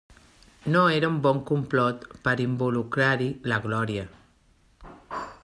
No era un bon complot per involucrar-hi la Glòria!